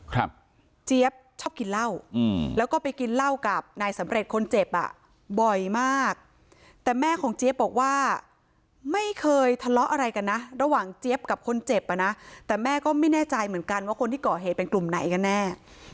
เจี๊ยบชอบกินเหล้าอืมแล้วก็ไปกินเหล้ากับนายสำเร็จคนเจ็บอ่ะบ่อยมากแต่แม่ของเจี๊ยบบอกว่าไม่เคยทะเลาะอะไรกันนะระหว่างเจี๊ยบกับคนเจ็บอ่ะนะแต่แม่ก็ไม่แน่ใจเหมือนกันว่าคนที่ก่อเหตุเป็นกลุ่มไหนกันแน่